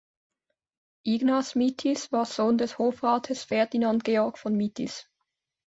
Ignaz Mitis war Sohn des Hofrates Ferdinand Georg von Mitis.